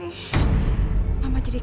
oh kamu juga kan